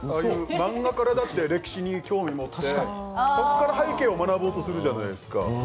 漫画から歴史に興味を持ってそこから背景を学ぼうとするじゃないですか。